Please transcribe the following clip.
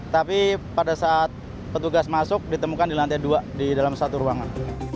tapi pada saat petugas masuk ditemukan di lantai dua di dalam satu ruangan